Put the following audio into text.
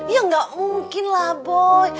ya nggak mungkin lah boy